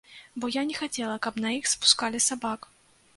Бо я не хацела, каб на іх спускалі сабак.